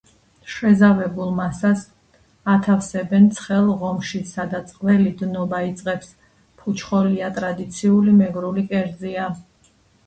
შეზავებულ მასას ათავსებენ ცხელ ღომში, სადაც ყველი დნობა იწყებს. ფუჩხოლია ტრადიციული მეგრული კერძია.